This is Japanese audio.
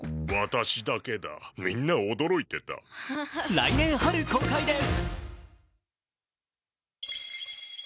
来年春公開です。